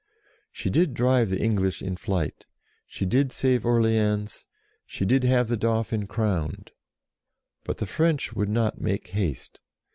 She did drive the English in flight, she did save Orleans, she did have the Dauphin crowned. But the French would not make haste.